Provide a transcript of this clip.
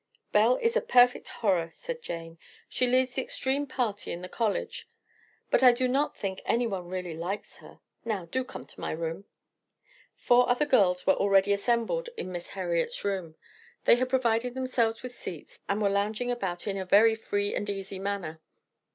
"Belle is a perfect horror," said Jane. "She leads the extreme party in the college; but I do not think anyone really likes her. Now, do come to my room." Four other girls were already assembled in Miss Heriot's room. They had provided themselves with seats, and were lounging about in a very free and easy manner.